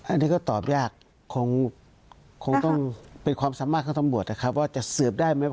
อันนี้ก็ตอบยากคงต้องเป็นความสามารถของตำรวจนะครับว่าจะสืบได้ไหม